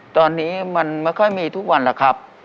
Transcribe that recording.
ตอนนี้มันไม่ค่อยมีทุกวันแล้วครับ